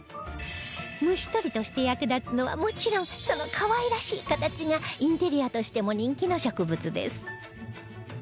虫取りとして役立つのはもちろんその可愛らしい形がインテリアとしても人気の植物です